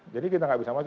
jadi kita tidak bisa masuk